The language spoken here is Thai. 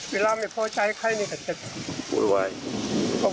เวลาไม่พอใช้ค่ะเจ็บ